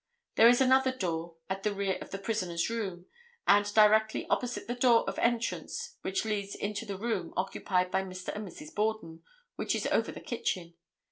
There is another door at the rear of the prisoner's room, and directly opposite the door of entrance which leads into the room occupied by Mr. and Mrs. Borden, which is over the kitchen.